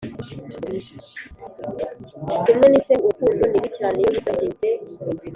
kimwe n'iseru, urukundo ni bibi cyane iyo biza bitinze mubuzima